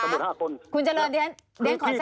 สำหรับที่สั่งแอร์มของผม